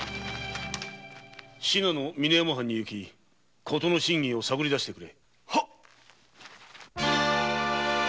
信濃の峰山藩に行き事の真偽を探り出してくれ。